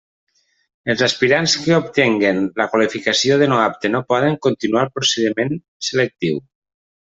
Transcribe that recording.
Els aspirants que obtinguen la qualificació de no apte no poden continuar el procediment selectiu.